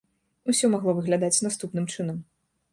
Усё магло выглядаць наступным чынам.